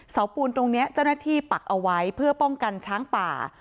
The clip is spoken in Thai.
ปูนตรงนี้เจ้าหน้าที่ปักเอาไว้เพื่อป้องกันช้างป่า